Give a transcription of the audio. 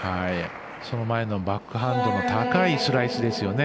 その前のバックハンドの高いスライスですよね。